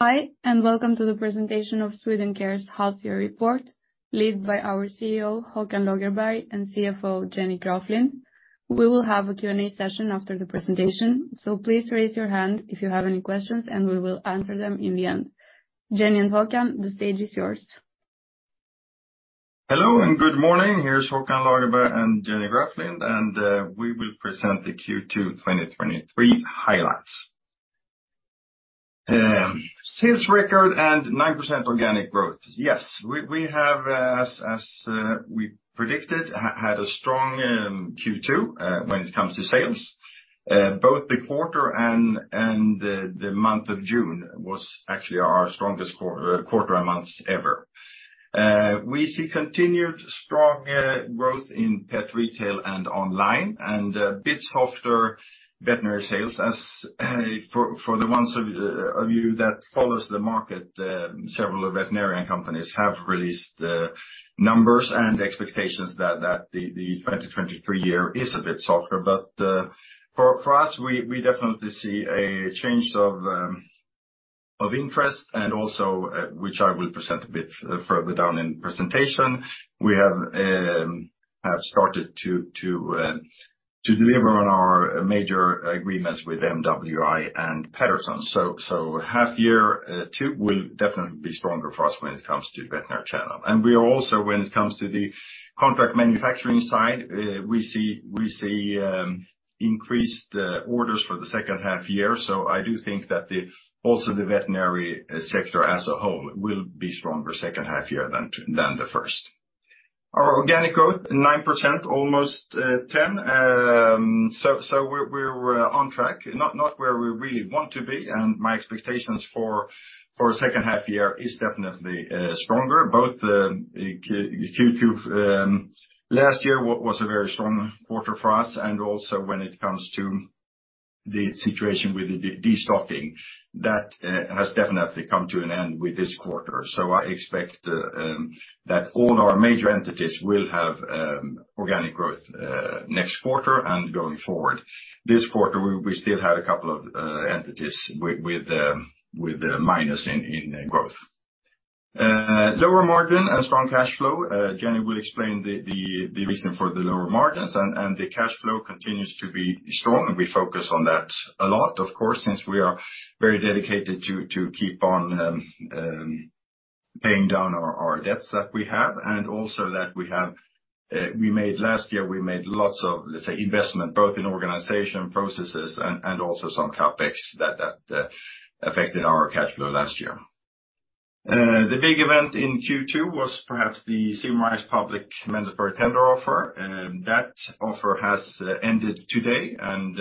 Hi. Welcome to the presentation of Swedencare's half year report, led by our CEO, Håkan Lagerberg, and CFO, Jenny Graflind. We will have a Q&A session after the presentation. Please raise your hand if you have any questions, and we will answer them in the end. Jenny and Håkan, the stage is yours. Hello, good morning. Here's Håkan Lagerberg and Jenny Graflind, we will present the Q2 2023 highlights. Sales record 9% organic growth. Yes, we had a strong Q2 when it comes to sales. Both the quarter and the month of June was actually our strongest quarter and months ever. We see continued strong growth in Pet Retail and Online, bit softer veterinary sales as for the ones of you that follows the market, several veterinarian companies have released the numbers and expectations that the 2023 year is a bit softer. For us, we definitely see a change of interest, also which I will present a bit further down in presentation. We have started to deliver on our major agreements with MWI and Patterson. Half year will definitely be stronger for us when it comes to veterinary channel. We are also, when it comes to the contract manufacturing side, we see increased orders for the second half year. I do think that also the veterinary sector as a whole will be stronger second half year than the first. Our organic growth, 9%, almost 10. We're on track. Not where we really want to be, my expectations for a second half year is definitely stronger. Both Q2 last year was a very strong quarter for us, when it comes to the situation with the restocking, that has definitely come to an end with this quarter. I expect that all our major entities will have organic growth next quarter and going forward. This quarter, we still had a couple of entities with a minus in growth. Lower margin and strong cash flow. Jenny will explain the reason for the lower margins, the cash flow continues to be strong, and we focus on that a lot, of course, since we are very dedicated to keep on paying down our debts that we have, and also that we have... last year, we made lots of, let's say, investment, both in organization processes and also some CapEx that affected our cash flow last year. The big event in Q2 was perhaps the summarized public member tender offer. That offer has ended today, and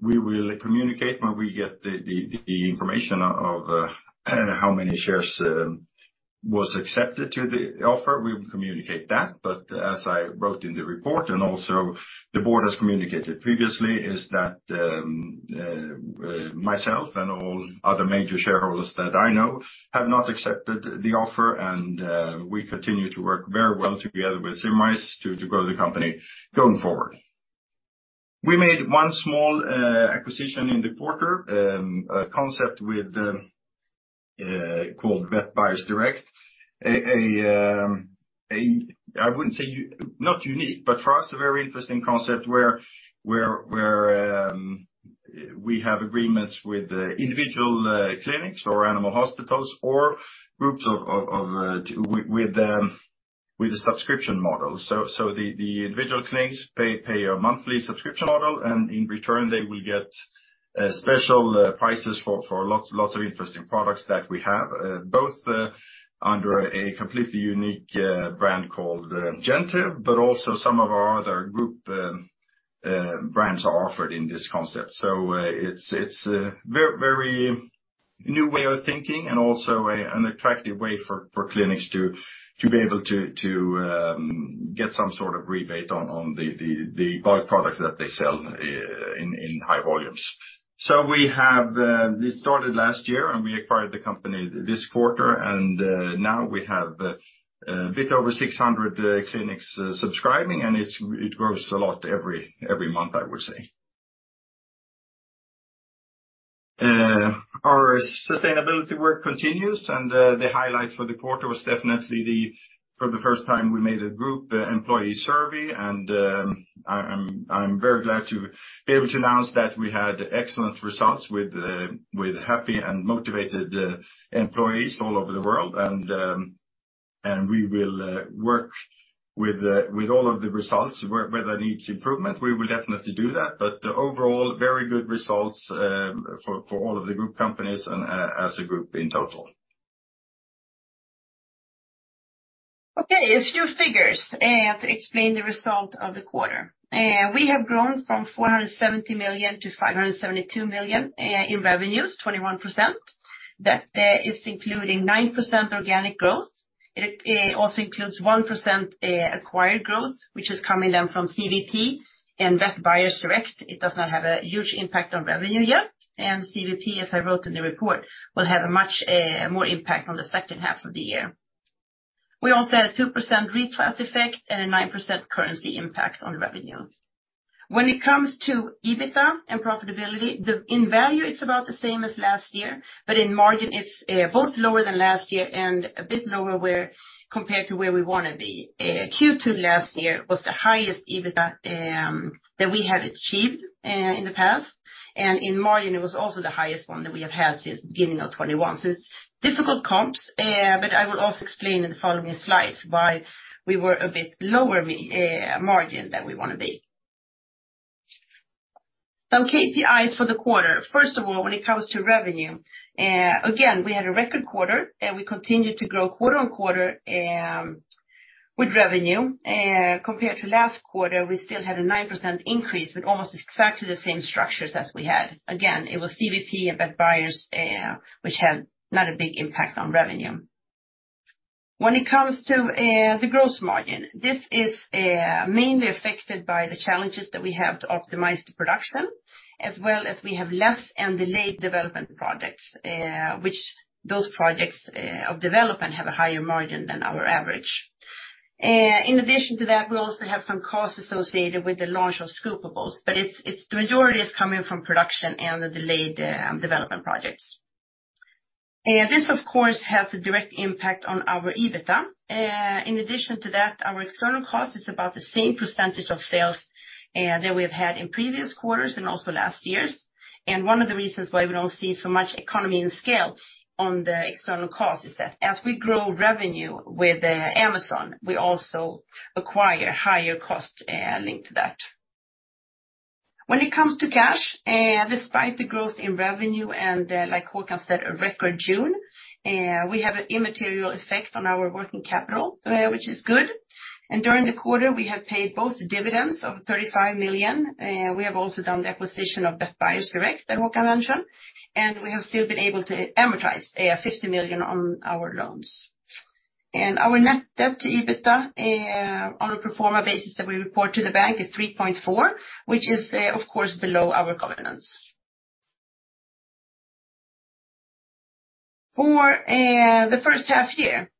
we will communicate when we get the information of how many shares was accepted to the offer. We will communicate that. As I wrote in the report, and also the board has communicated previously, is that myself and all other major shareholders that I know have not accepted the offer, and we continue to work very well together with Symrise to grow the company going forward. We made one small acquisition in the quarter, a concept called Vet Buyers Direct. I wouldn't say not unique, but for us, a very interesting concept where we have agreements with individual clinics or animal hospitals or groups of with a subscription model. The individual clinics, they pay a monthly subscription model, and in return, they will get special prices for lots of interesting products that we have both under a completely unique brand called Gen-Teb, but also some of our other group brands are offered in this concept. It's a very new way of thinking and also an attractive way for clinics to be able to get some sort of rebate on the byproducts that they sell in high volumes. We have, we started last year, and we acquired the company this quarter, and now we have a bit over 600 clinics subscribing, and it grows a lot every month, I would say. Our sustainability work continues, and the highlight for the quarter was definitely the, for the first time, we made a group employee survey, and I'm very glad to be able to announce that we had excellent results with happy and motivated employees all over the world. We will work with all of the results, where that needs improvement, we will definitely do that. Overall, very good results for all of the group companies and as a group in total. Okay, a few figures to explain the result of the quarter. We have grown from 470 million-572 million in revenues, 21%. That is including 9% organic growth. It also includes 1% acquired growth, which is coming down from CVP and Vet Buyers Direct. It does not have a huge impact on revenue yet, and CVP, as I wrote in the report, will have a much more impact on the second half of the year. We also had a 2% reclass effect and a 9% currency impact on revenue. When it comes to EBITDA and profitability, in value, it's about the same as last year, but in margin, it's both lower than last year and a bit lower where compared to where we want to be. Q2 last year was the highest EBITDA that we had achieved in the past, and in margin, it was also the highest one that we have had since beginning of 2021. It's difficult comps, but I will also explain in the following slides why we were a bit lower margin than we want to be. Some KPIs for the quarter. First of all, when it comes to revenue, again, we had a record quarter, we continued to grow quarter-on-quarter with revenue. Compared to last quarter, we still had a 9% increase with almost exactly the same structures as we had. It was CVP and Vet Buyers Direct, which had not a big impact on revenue. When it comes to the gross margin, this is mainly affected by the challenges that we have to optimize the production, as well as we have less and delayed development projects, which those projects of development have a higher margin than our average. In addition to that, we also have some costs associated with the launch of Scoopables, but the majority is coming from production and the delayed development projects. This, of course, has a direct impact on our EBITDA. In addition to that, our external cost is about the same percentage of sales that we've had in previous quarters and also last year's. One of the reasons why we don't see so much economy and scale on the external cost is that as we grow revenue with Amazon, we also acquire higher cost linked to that. When it comes to cash, despite the growth in revenue and like Håkan said, a record June, we have an immaterial effect on our working capital, which is good. During the quarter, we have paid both the dividends of 35 million, we have also done the acquisition of Vet Buyers Direct, that Håkan mentioned, and we have still been able to amortize 50 million on our loans. Our net debt to EBITDA on a pro forma basis that we report to the bank, is 3.4 million, which is, of course, below our governance. For the first half year,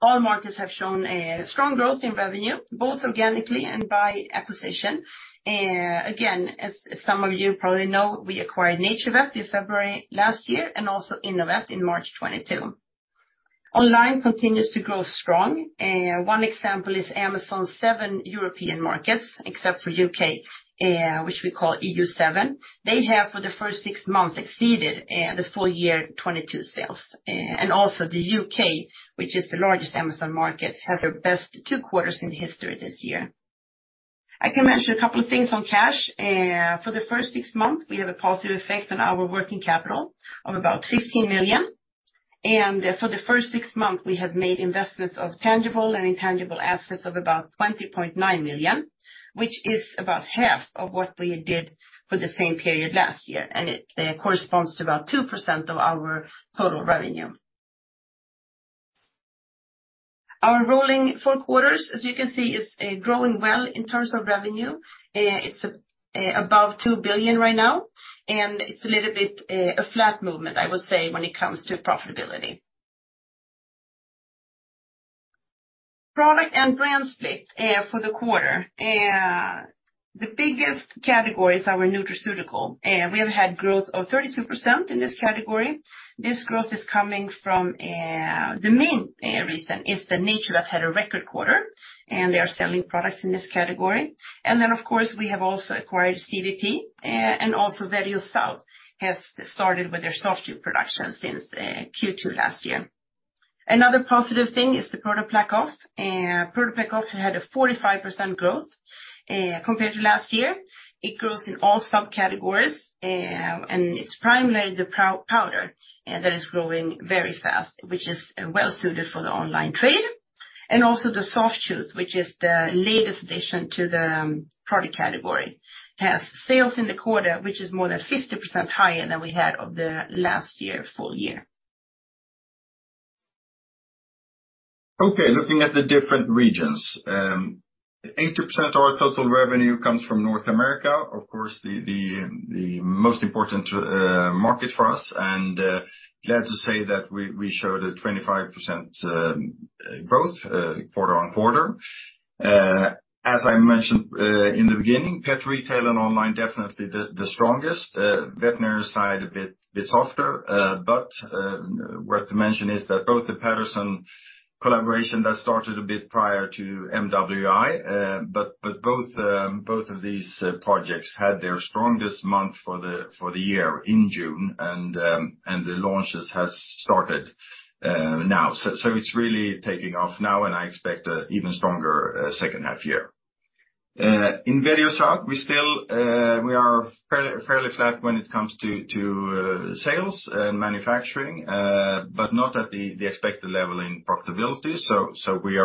all markets have shown a strong growth in revenue, both organically and by acquisition. Again, as some of you probably know, we acquired NaturVet in February last year, and also Innovet in March 2022. Online continues to grow strong. One example is Amazon's seven European markets, except for U.K., which we call EU7. They have, for the first six months, exceeded the full year 2022 sales. The U.K., which is the largest Amazon market, has their best two quarters in history this year. I can mention a couple of things on cash. For the first six months, we have a positive effect on our working capital of about 15 million, for the first six months, we have made investments of tangible and intangible assets of about 20.9 million, which is about half of what we did for the same period last year, and it corresponds to about 2% of our total revenue. Our rolling four quarters, as you can see, is growing well in terms of revenue. It's above 2 billion right now, it's a little bit a flat movement, I would say, when it comes to profitability. Product and brand split for the quarter. The biggest category is our nutraceutical, we have had growth of 32% in this category. This growth is coming from. The main reason is the NaturVet had a record quarter, and they are selling products in this category. Of course, we have also acquired CVP, and also Vetio South has started with their Soft Chews production since Q2 last year. Another positive thing is the ProDen PlaqueOff. ProDen PlaqueOff had a 45% growth compared to last year. It grows in all subcategories, it's primarily the powder that is growing very fast, which is well suited for the online trade. The Soft Chews, which is the latest addition to the product category, has sales in the quarter, which is more than 50% higher than we had of the last year, full-year. Okay, looking at the different regions. 80% of our total revenue comes from North America, of course, the most important market for us, and glad to say that we showed a 25% growth quarter-on-quarter. As I mentioned, in the beginning, Pet Retail and Online, definitely the strongest. Veterinary side, a bit softer, but worth to mention is that both the Patterson Veterinary collaboration that started a bit prior to MWI Animal Health, but both of these projects had their strongest month for the year in June, the launches has started now. It's really taking off now, and I expect a even stronger second half year. In Vetio South, we still we are fairly flat when it comes to sales and manufacturing, but not at the expected level in profitability. We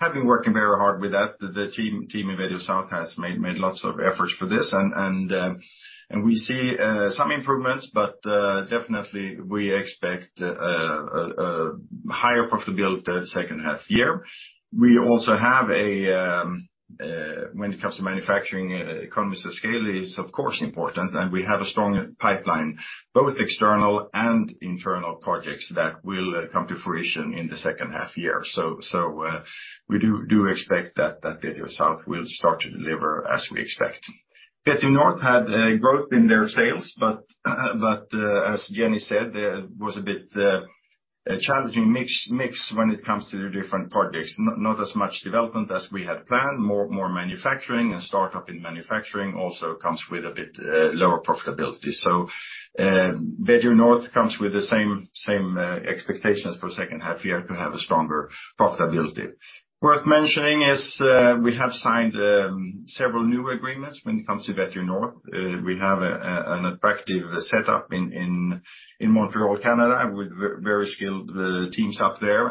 have been working very hard with that. The team in Vetio South has made lots of efforts for this and we see some improvements, but definitely we expect a higher profitability the second half year. We also have a when it comes to manufacturing, economies of scale is, of course, important, and we have a strong pipeline, both external and internal projects, that will come to fruition in the second half year. We do expect that Vetio South will start to deliver as we expect. Vetio North had growth in their sales, but as Jenny said, there was a bit challenging mix when it comes to the different projects. Not as much development as we had planned, more manufacturing and startup in manufacturing also comes with a bit lower profitability. Vetio North comes with the same expectations for second half year to have a stronger profitability. Worth mentioning is, we have signed several new agreements when it comes to Vetio North. We have an attractive setup in Montreal, Canada, with very skilled teams up there.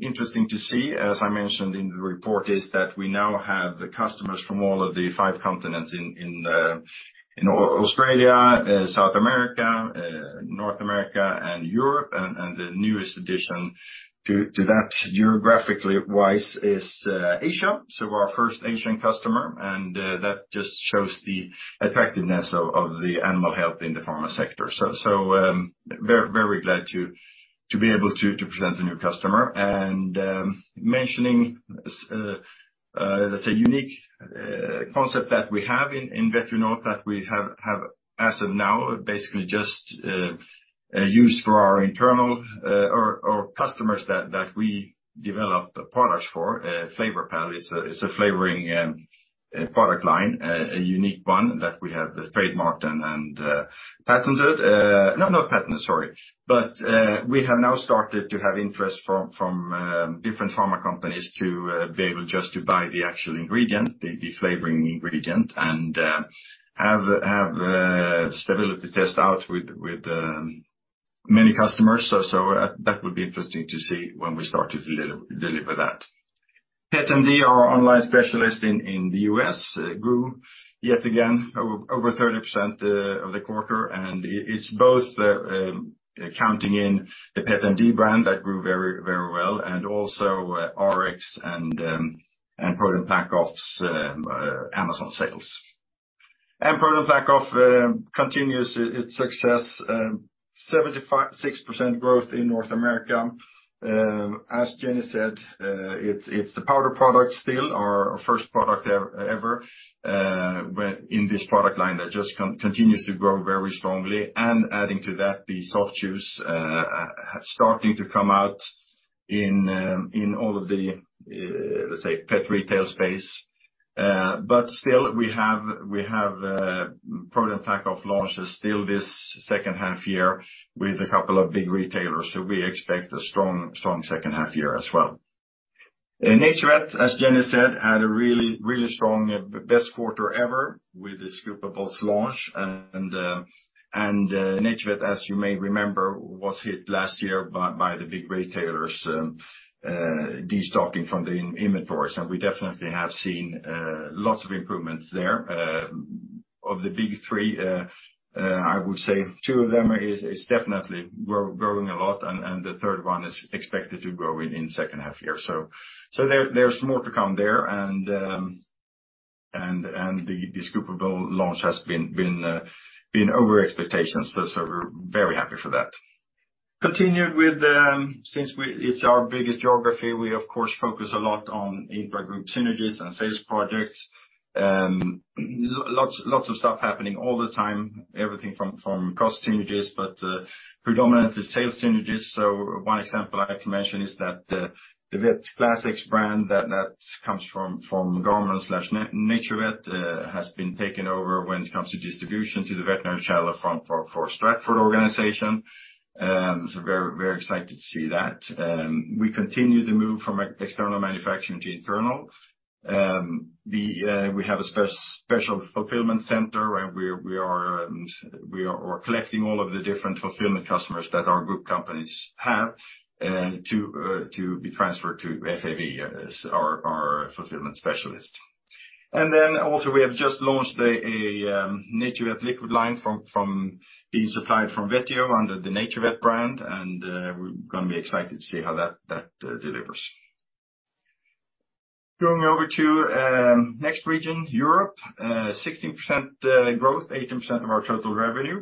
Interesting to see, as I mentioned in the report, is that we now have the customers from all of the five continents in Australia, South America, North America, and Europe. The newest addition to that geographically wise is Asia. Our first Asian customer, and that just shows the attractiveness of the animal health in the pharma sector. Very glad to be able to present a new customer. Mentioning, that's a unique concept that we have in Vetio North, that we have as of now, basically just used for our internal, or customers that we develop the products for, FlavorPal. It's a flavoring product line, a unique one that we have trademarked and patented. No, not patented, sorry. We have now started to have interest from different pharma companies to be able just to buy the actual ingredient, the flavoring ingredient, and have stability test out with many customers. That would be interesting to see when we start to deliver that. Pet MD, our online specialist in the US, grew yet again, over 30% of the quarter. It's both counting in the Pet MD brand that grew very, very well, and also Rx and ProDen PlaqueOff's Amazon sales. ProDen PlaqueOff continues its success, 76% growth in North America. As Jenny said, it's the powder product still, our first product ever, in this product line that just continues to grow very strongly. Adding to that, the Soft Chews starting to come out in all of the, let's say, pet retail space. Still we have PlaqueOff launches still this second half year with a couple of big retailers, so we expect a strong second half year as well. In NaturVet, as Jenny said, had a really strong best quarter ever with the Scoopables launch. NaturVet, as you may remember, was hit last year by the big retailers destocking from the inventories. We definitely have seen lots of improvements there. Of the big three, I would say two of them is definitely growing a lot, and the third one is expected to grow in second half year. There's more to come there, and the scoopable launch has been over expectations, so we're very happy for that. Continued with, since it's our biggest geography, we of course, focus a lot on intra-group synergies and sales projects. Lots of stuff happening all the time, everything from cost synergies, but predominantly sales synergies. One example I can mention is that the Vet Classics brand that comes from Garmon/NaturVet, has been taken over when it comes to distribution to the veterinary channel for Stratford Care organization. Very, very excited to see that. We continue to move from external manufacturing to internal. We have a special fulfillment center, and we're collecting all of the different fulfillment customers that our group companies have to be transferred to FAV as our fulfillment specialist. Also, we have just launched a NaturVet liquid line from being supplied from Vetio under the NaturVet brand, and we're gonna be excited to see how that delivers. Going over to next region, Europe, 16% growth, 18% of our total revenue.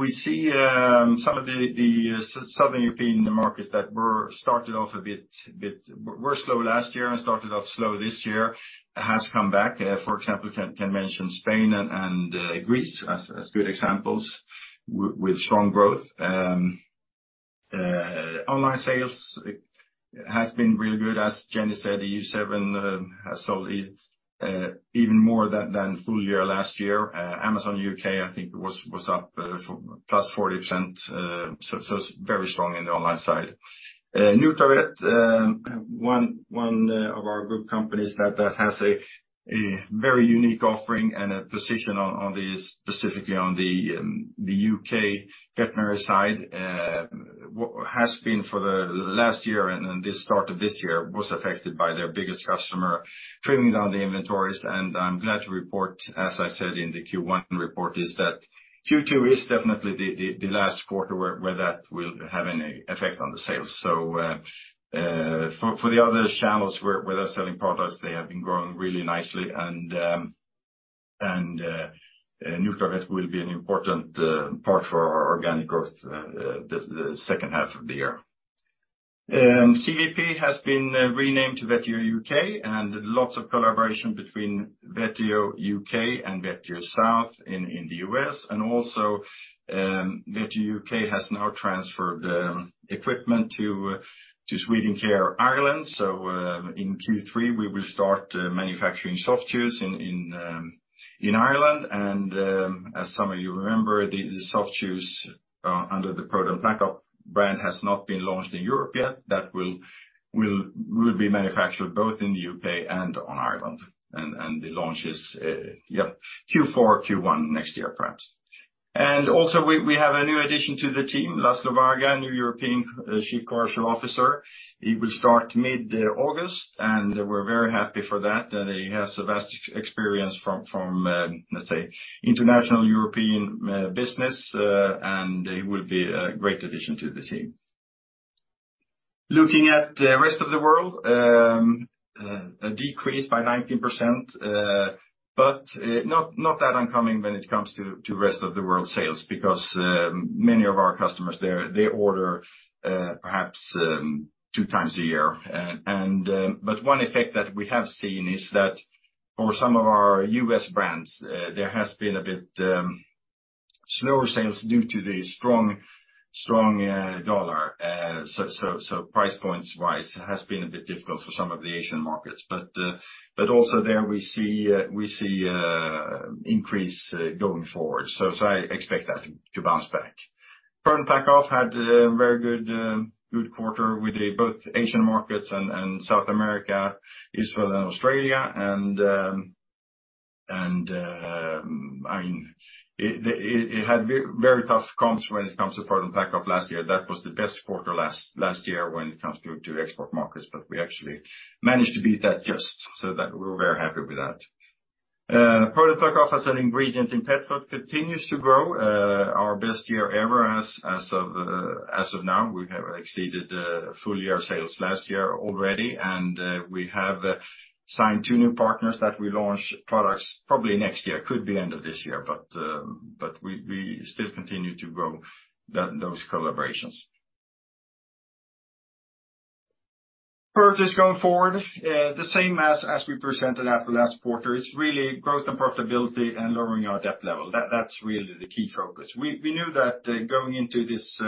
We see some of the Southern European markets that were slow last year and started off slow this year, has come back. For example, can mention Spain and Greece as good examples with strong growth. Online sales has been really good. As Jenny said, EU7 has sold even more than full-year last year. Amazon U.K., I think, was up plus 40%, so very strong in the online side. Nutravet, one of our group companies that has a very unique offering and a position on the specifically on the U.K. veterinary side, has been for the last year, and then this start of this year, was affected by their biggest customer trimming down the inventories. I'm glad to report, as I said in the Q1 report, that Q2 is definitely the last quarter where that will have any effect on the sales. For the other channels where they're selling products, they have been growing really nicely and Nutravet will be an important part for our organic growth, the second half of the year. CVP has been renamed to Vetio U.K., and lots of collaboration between Vetio U.K. and Vetio South in the U.S. Also, Vetio U.K. has now transferred equipment to Swedencare Ireland. In Q3, we will start manufacturing Soft Chews in Ireland. As some of you remember, the Soft Chews under the ProDen PlaqueOff brand has not been launched in Europe yet. That will be manufactured both in the U.K. and on Ireland. The launch is Q4, Q1 next year, perhaps. We have a new addition to the team, László Varga, new European Chief Commercial Officer. He will start mid-August, and we're very happy for that. He has a vast experience from, let's say, International European business, and he will be a great addition to the team. Looking at the rest of the world, a decrease by 19%, but not that uncommon when it comes to rest of the world sales, because many of our customers, they order perhaps 2x a year. But one effect that we have seen is that for some of our U.S. brands, there has been a bit slower sales due to the strong dollar. Price points-wise, it has been a bit difficult for some of the Asian markets. Also there we see increase going forward. I expect that to bounce back. ProDen PlaqueOff had a very good quarter with both Asian markets and South America, Israel, and Australia. I mean, it had very tough comps when it comes to ProDen PlaqueOff last year. That was the best quarter last year when it comes to export markets, but we actually managed to beat that just so that we're very happy with that. ProDen as an ingredient in Petfood continues to grow. Our best year ever as of now. We have exceeded full-year sales last year already. We have signed two new partners that we launch products probably next year. Could be end of this year, but we still continue to grow those collaborations. Purchase going forward, the same as we presented at the last quarter. It's really growth and profitability and lowering our debt level. That's really the key focus. We knew that going into this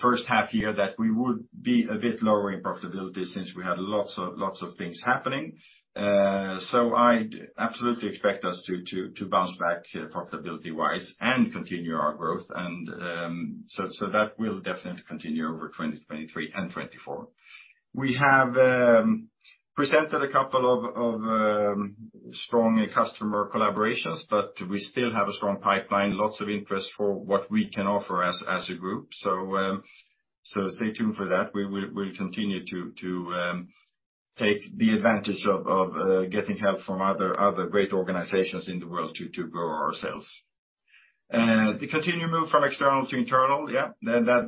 first half year, that we would be a bit lower in profitability since we had lots of things happening. I'd absolutely expect us to bounce back profitability-wise and continue our growth and. That will definitely continue over 2023 and 2024. We have presented a couple of strong customer collaborations, but we still have a strong pipeline, lots of interest for what we can offer as a group. Stay tuned for that. We'll continue to take the advantage of getting help from other great organizations in the world to grow ourselves. The continued move from external to internal,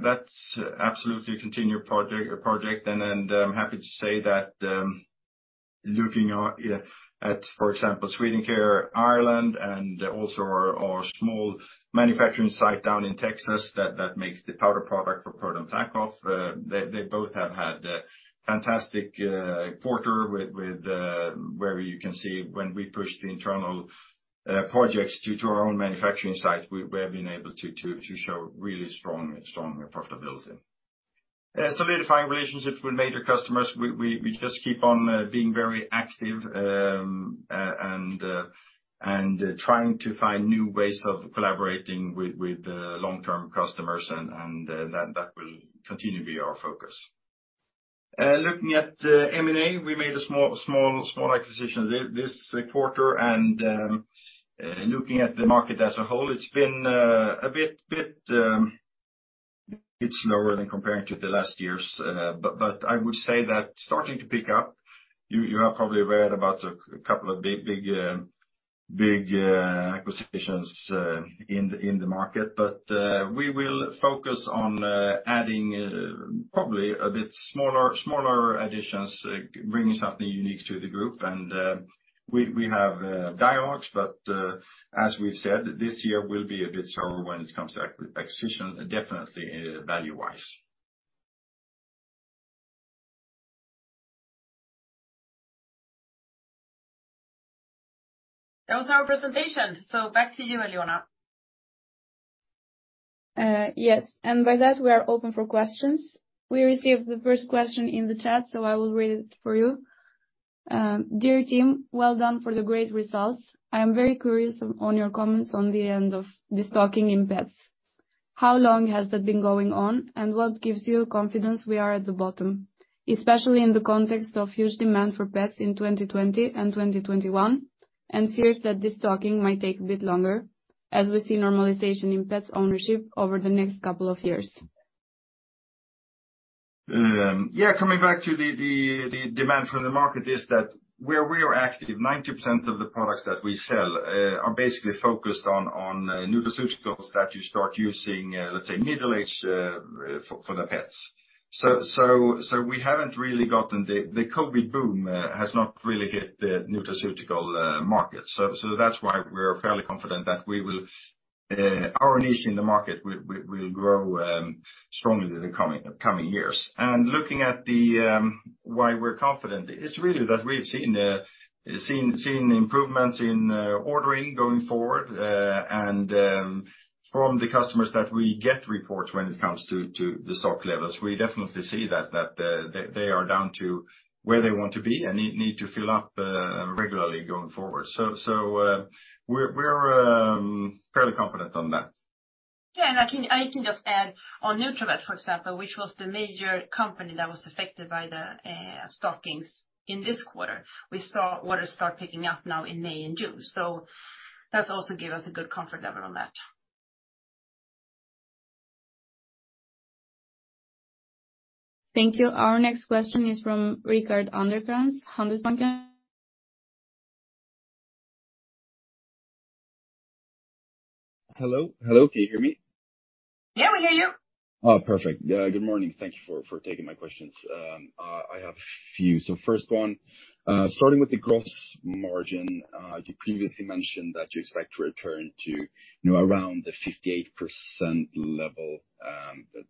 that's absolutely continued project, and I'm happy to say that, looking at, for example, Swedencare Ireland and also our small manufacturing site down in Texas, that makes the powder product for ProDen, they both have had a fantastic quarter with where you can see when we push the internal projects due to our own manufacturing site, we have been able to show really strong profitability. Solidifying relationships with major customers, we just keep on being very active and trying to find new ways of collaborating with long-term customers, and that will continue to be our focus. Looking at M&A, we made a small acquisition this quarter, looking at the market as a whole, it's been a bit slower than comparing to the last years. I would say that starting to pick up, you are probably aware about a couple of big acquisitions in the market. We will focus on adding probably a bit smaller additions, bringing something unique to the group. We have dialogues, as we've said, this year will be a bit slower when it comes to acquisitions, definitely value-wise. That was our presentation, back to you, Alyona. Yes, by that, we are open for questions. We received the first question in the chat, so I will read it for you. Dear team, well done for the great results. I am very curious on your comments on the end of the stocking in pets. How long has that been going on, and what gives you confidence we are at the bottom, especially in the context of huge demand for pets in 2020 and 2021, and fears that this stocking might take a bit longer, as we see normalization in pets ownership over the next couple of years? Coming back to the demand from the market is that where we are active, 90% of the products that we sell are basically focused on nutraceuticals that you start using, let's say, middle-age for the pets. We haven't really gotten the COVID boom has not really hit the nutraceutical market. That's why we're fairly confident that we will our niche in the market will grow strongly in the coming years. Looking at the why we're confident, it's really that seeing improvements in ordering going forward, and from the customers that we get reports when it comes to the stock levels, we definitely see that they are down to where they want to be and need to fill up regularly going forward. We're fairly confident on that. Yeah, and I can just add on Nutravet, for example, which was the major company that was affected by the stockings in this quarter. We saw orders start picking up now in May and June, so that's also give us a good comfort level on that. Thank you. Our next question is from Rickard Anderkrans, Handelsbanken. Hello? Hello, can you hear me? Yeah, we hear you. Perfect. Good morning. Thank you for taking my questions. I have a few. First one, starting with the gross margin, you previously mentioned that you expect to return to, you know, around the 58% level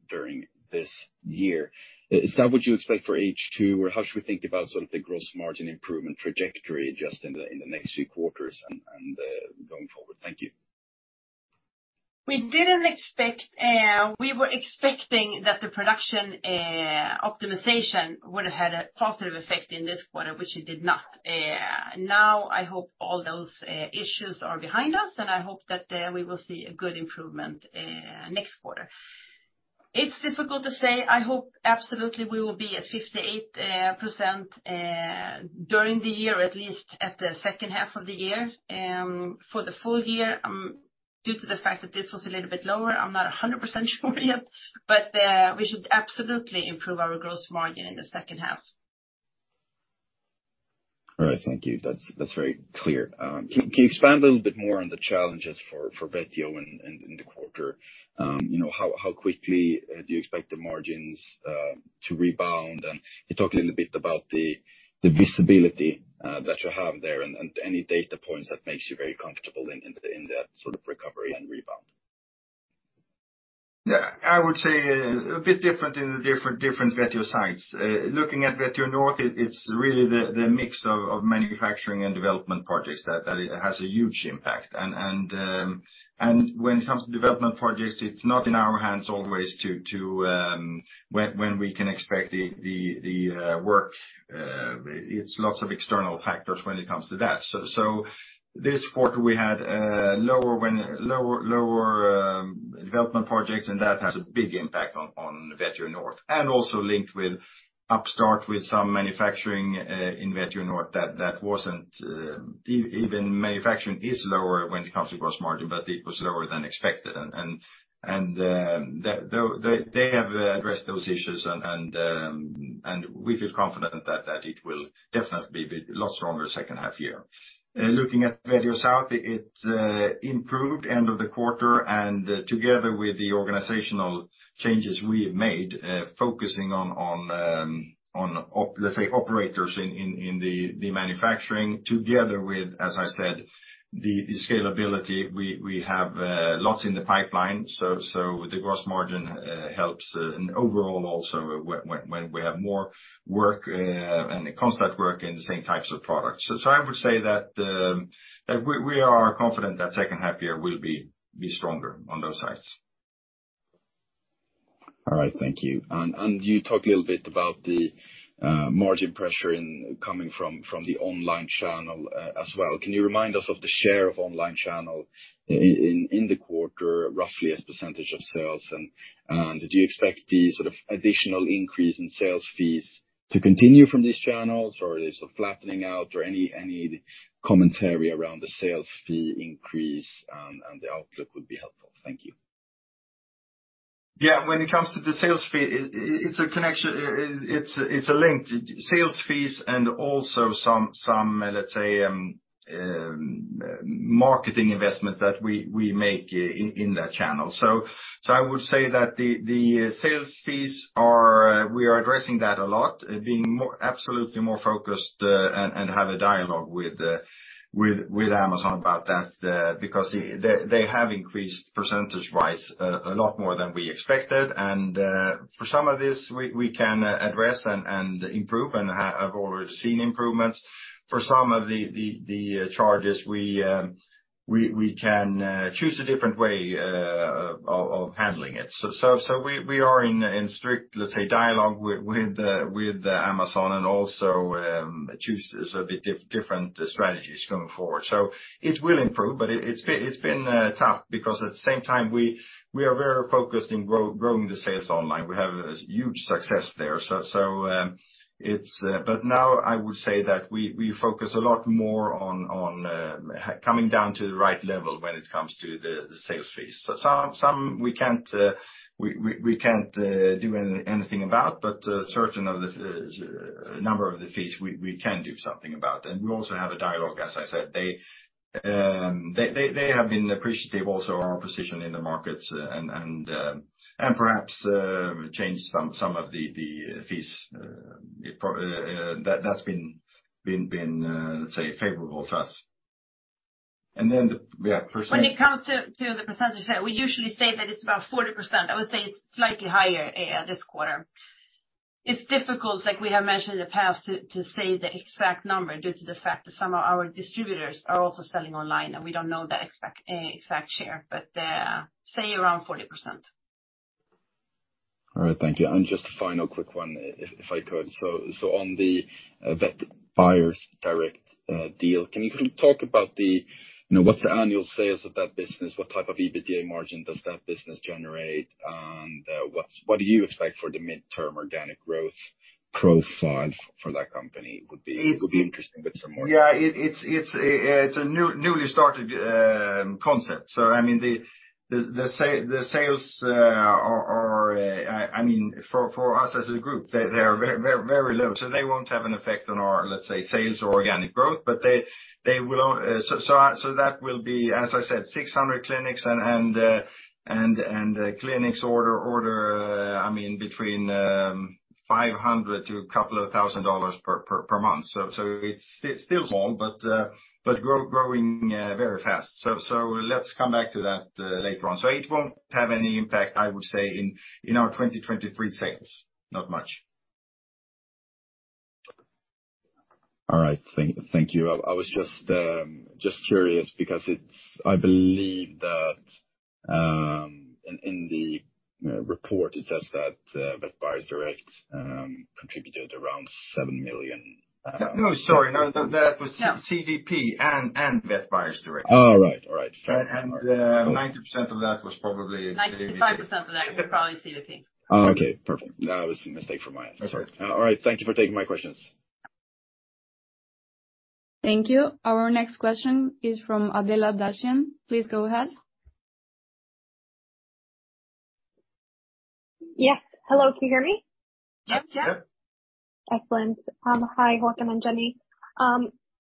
during this year. Is that what you expect for H2, or how should we think about sort of the gross margin improvement trajectory just in the, in the next few quarters and going forward? Thank you. We didn't expect. we were expecting that the production optimization would have had a positive effect in this quarter, which it did not. Now, I hope all those issues are behind us, and I hope that we will see a good improvement next quarter. It's difficult to say. I hope absolutely we will be at 58% during the year, at least at the second half of the year. For the full-year, due to the fact that this was a little bit lower, I'm not 100% sure yet, but we should absolutely improve our gross margin in the second half. All right, thank you. That's very clear. Can you expand a little bit more on the challenges for Vetio in the quarter? You know, how quickly do you expect the margins to rebound? You talked a little bit about the visibility that you have there and any data points that makes you very comfortable in the sort of recovery and rebound. I would say a bit different in the different Vetio sites. Looking at Vetio North, it's really the mix of manufacturing and development projects that has a huge impact. When it comes to development projects, it's not in our hands always to when we can expect the work. It's lots of external factors when it comes to that. This quarter, we had lower development projects, and that has a big impact on Vetio North. Also linked with upstart with some manufacturing in Vetio North that wasn't even manufacturing is lower when it comes to gross margin, but it was lower than expected. They have addressed those issues, and we feel confident that it will definitely be a lot stronger second half year. Looking at Vetio South, it improved end of the quarter, and together with the organizational changes we have made, focusing on operators in the manufacturing, together with, as I said, the scalability, we have lots in the pipeline. The gross margin helps, and overall also, when we have more work and constant work in the same types of products. I would say that we are confident that second half year will be stronger on those sites. All right, thank you. You talked a little bit about the margin pressure coming from the Online channel as well. Can you remind us of the share of online channel in the quarter, roughly as percentage of sales? Did you expect the sort of additional increase in sales fees to continue from these channels, or is it flattening out? Any, any commentary around the sales fee increase, and the outlook would be helpful. Thank you. When it comes to the sales fee, it's a connection, it's a, it's a link. Sales fees and also some, let's say, marketing investment that we make in that channel. I would say that the sales fees are, we are addressing that a lot, being more, absolutely more focused, and have a dialogue with Amazon about that, because they have increased percentage-wise a lot more than we expected. For some of this, we can address and improve, and I've already seen improvements. For some of the charges, we can choose a different way of handling it. We are in strict, let's say, dialogue with Amazon, and also choose a bit different strategies going forward. It will improve, but it's been tough because at the same time, we are very focused in growing the sales online. We have a huge success there. it's. Now I would say that we focus a lot more on coming down to the right level when it comes to the sales fees. Some we can't, we can't do anything about, but certain of the number of the fees we can do something about. We also have a dialogue, as I said, they have been appreciative also of our position in the markets and perhaps, change some of the fees. That's been, let's say, favorable for us. When it comes to the percentage share, we usually say that it's about 40%. I would say it's slightly higher this quarter. It's difficult, like we have mentioned in the past, to say the exact number, due to the fact that some of our distributors are also selling online, and we don't know the exact exact share, but say around 40%. All right, thank you. Just a final quick one, if I could. On the Vet Buyers Direct deal, can you kind of talk about the, you know, what's the annual sales of that business? What type of EBITDA margin does that business generate? What do you expect for the midterm organic growth profile for that company? It- Would be interesting with some more. Yeah, it's a newly started concept. I mean, for us as a group, they are very, very, very low, so they won't have an effect on our, let's say, sales or organic growth, but they will. That will be, as I said, 600 clinics and clinics order, I mean, between $500 to a couple of thousand dollars per month. It's still small, but growing very fast. Let's come back to that later on. It won't have any impact, I would say, in our 2023 sales, not much. All right, thank you. I was just curious because I believe that in the report, it says that Vet Buyers Direct contributed around 7 million. No, sorry. No, that was- Yeah CVP and Vet Buyers Direct. Oh, right. All right. 90% of that was probably. 95% of that was probably CVP. Okay, perfect. That was a mistake from my end. That's all right. All right. Thank you for taking my questions. Thank you. Our next question is from Adela Dashian. Please go ahead. Yes. Hello, can you hear me? Yes. Yeah. Excellent. Hi, Håkan and Jenny.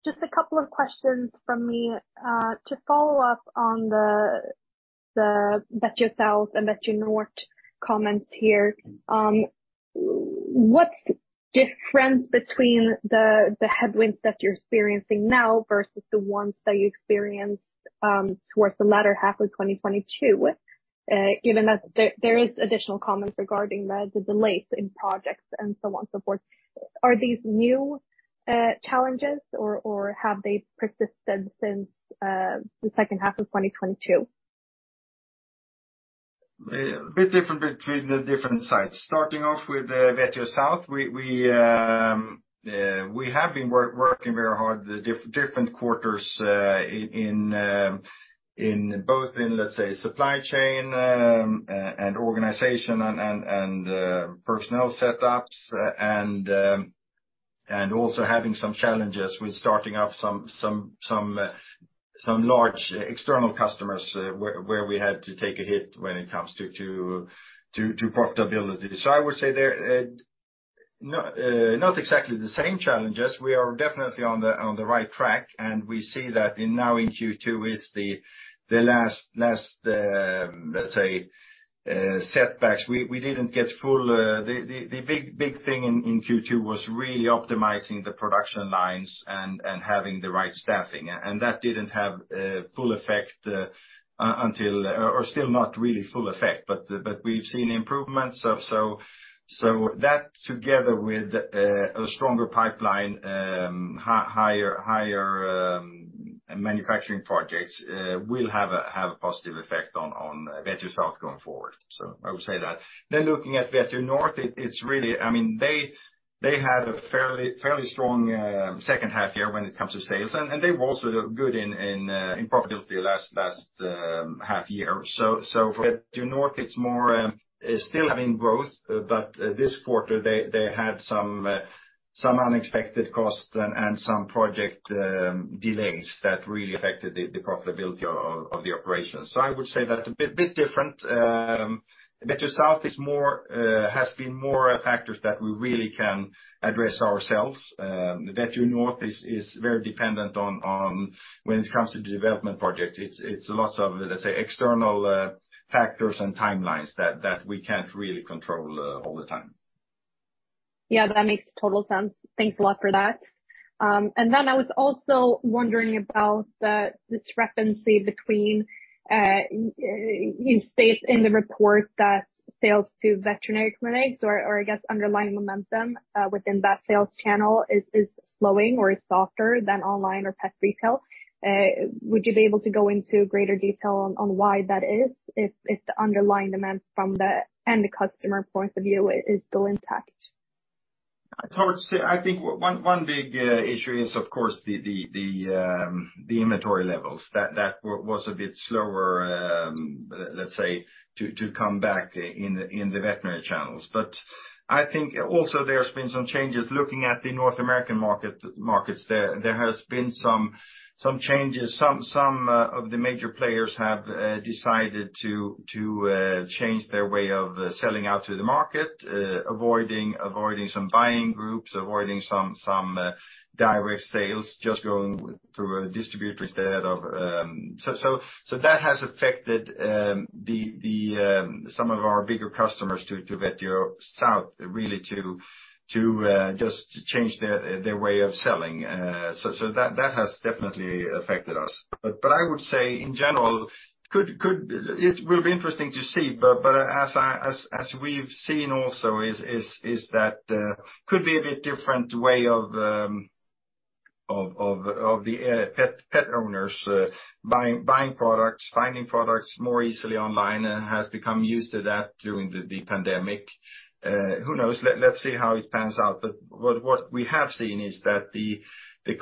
Just a couple of questions from me. To follow up on the Vet South and Vet North comments here. What's different between the headwinds that you're experiencing now versus the ones that you experienced towards the latter half of 2022? Given that there is additional comments regarding the delays in projects and so on and so forth. Are these new challenges or have they persisted since the second half of 2022? A bit different between the different sites. Starting off with Vetio South, we have been working very hard, the different quarters, in both in, let's say, supply chain, and organization and personnel setups, and also having some challenges with starting up some large external customers, where we had to take a hit when it comes to profitability. I would say they're not exactly the same challenges. We are definitely on the right track, and we see that in now in Q2 is the last setbacks. We didn't get full... The big thing in Q2 was really optimizing the production lines and having the right staffing. That didn't have full effect until, or still not really full effect, but we've seen improvements of so. That together with a stronger pipeline, higher manufacturing projects, will have a positive effect on Vetio South going forward. I would say that. Looking at Vetio North, it's really... I mean, they had a fairly strong second half year when it comes to sales, and they were also good in profitability last half year. For Vetio North, it's more, still having growth, but this quarter, they had some unexpected costs and some project delays that really affected the profitability of the operations. I would say that a bit different. Vetio South is more, has been more factors that we really can address ourselves. Vetio North is very dependent on when it comes to development projects, it's lots of, let's say, external factors and timelines that we can't really control all the time. Yeah, that makes total sense. Thanks a lot for that. I was also wondering about the discrepancy between, you state in the report that sales to veterinary clinics or I guess, underlying momentum, within that sales channel is slowing or is softer than online or pet retail. Would you be able to go into greater detail on why that is, if the underlying demand from the end customer point of view is still intact? It's hard to say. I think one big issue is, of course, the inventory levels. That was a bit slower, let's say, to come back in the veterinary channels. I think also there's been some changes. Looking at the North American market, markets, there has been some changes. Some of the major players have decided to change their way of selling out to the market, avoiding some buying groups, avoiding some direct sales, just going through a distributor instead of... that has affected some of our bigger customers to Vetio South, really to just change their way of selling. that has definitely affected us. I would say in general, could. It will be interesting to see, but as we've seen also is that could be a bit different way of the pet owners buying products, finding products more easily online and has become used to that during the pandemic. Who knows? Let's see how it pans out. What we have seen is that the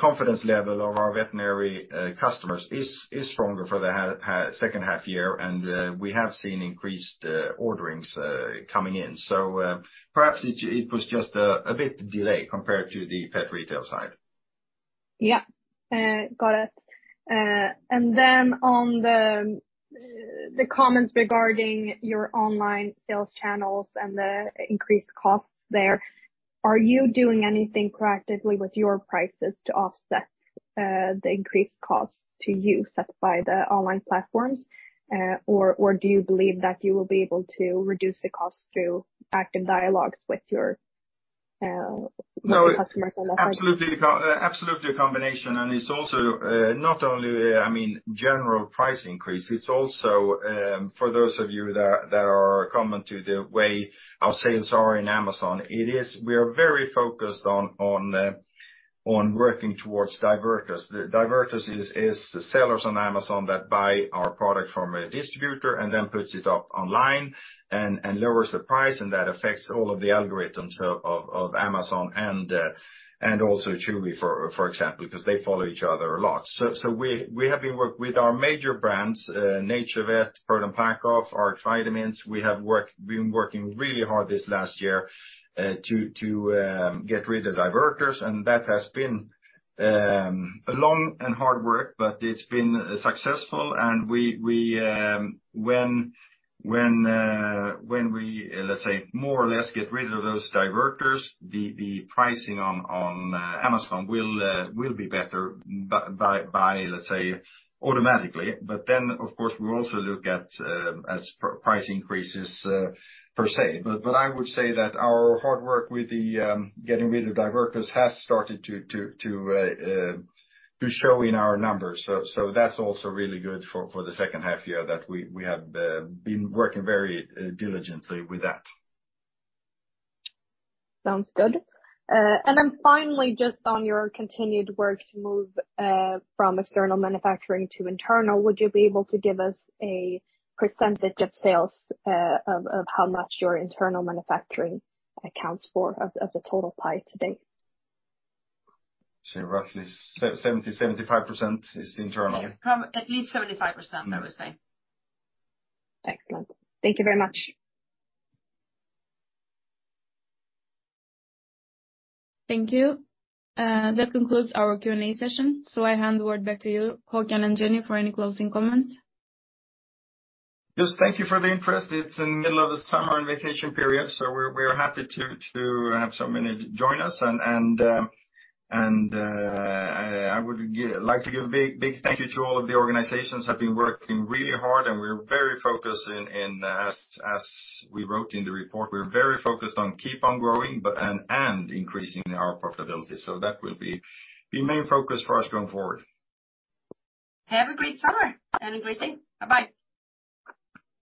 confidence level of our veterinary customers is stronger for the second half year, and we have seen increased orderings coming in. Perhaps it was just a bit delayed compared to the Pet Retail side. Yeah, got it. Then on the comments regarding your Online sales channels and the increased costs there, are you doing anything proactively with your prices to offset the increased costs to you set by the Online platforms? Or do you believe that you will be able to reduce the costs through active dialogues with your customers on that side? Absolutely, absolutely a combination. It's also not only, I mean, general price increase. It's also, for those of you that are common to the way our sales are in Amazon, we are very focused on working towards diverters. Diverters is the sellers on Amazon that buy our product from a distributor and then puts it up online and lowers the price, and that affects all of the algorithms of Amazon and also Chewy, for example, because they follow each other a lot. We have been work with our major brands, NaturVet, FortiFlora, Rx Vitamins. We have been working really hard this last year to get rid of diverters, and that has been a long and hard work, but it's been successful. We, when we, let's say more or less get rid of those diverters, the pricing on Amazon will be better by, let's say, automatically. Of course, we also look at as price increases per se. I would say that our hard work with the getting rid of diverters has started to show in our numbers. That's also really good for the second half year that we have been working very diligently with that. Sounds good. Then finally, just on your continued work to move, from external manufacturing to internal, would you be able to give us a percentage of sales, of how much your internal manufacturing accounts for of the total pie to date? Roughly 70%-75% is internal. Yeah, at least 75%, I would say. Excellent. Thank you very much. Thank you. That concludes our Q&A session, so I hand the word back to you, Håkan and Jenny, for any closing comments. Thank you for the interest. It's in the middle of the summer and vacation period, we're happy to have so many join us. I would like to give a big thank you to all of the organizations that have been working really hard, we're very focused in, as we wrote in the report, we're very focused on keep on growing, but, and increasing our profitability. That will be the main focus for us going forward. Have a great summer and a great day. Bye-bye!